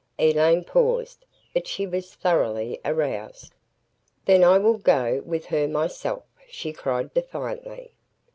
Elaine paused, but she was thoroughly aroused. "Then I will go with her myself," she cried defiantly.